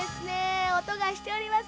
おとがしております